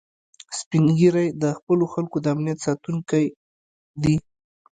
سپین ږیری د خپلو خلکو د امنیت ساتونکي دي